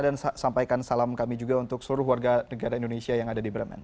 dan sampaikan salam kami juga untuk seluruh warga negara indonesia yang ada di bremen